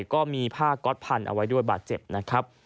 ก็มีผ้าก๊อตพันเอาไว้ด้วยบาดเจ็บนะครับ